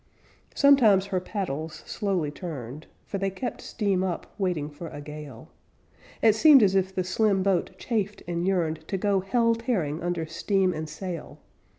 Sometimes her paddles slowly turned, For they kept steam up, waiting for a gale. It seemed as if the slim boat chafed and yearned To go hell tearing under steam and sail.